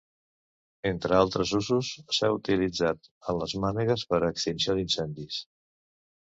Entre altres usos, s'ha utilitzat en les mànegues per a extinció d'incendis.